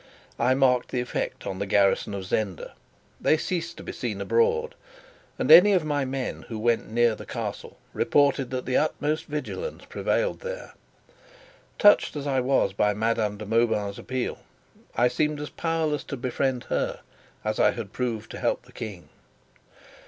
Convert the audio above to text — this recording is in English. I marked the effect on the garrison of Zenda: they ceased to be seen abroad; and any of my men who went near the Castle reported that the utmost vigilance prevailed there. Touched as I was by Madame de Mauban's appeal, I seemed as powerless to befriend her as I had proved to help the King.